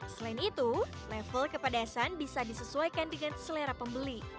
selain itu level kepedasan bisa disesuaikan dengan selera pembeli